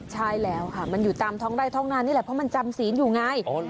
ใช่แล้วค่ะมันอยู่ตามท้องไร่ท้องนานนี่แหละเพราะมันจำศีลอยู่ไง